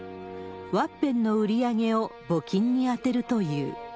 ワッペンの売り上げを募金に充てるという。